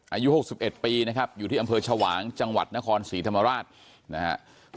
อายุ๖๑ปีนะครับอยู่ที่อำเภอชวางจังหวัดนครศรีธรรมราชนะครับ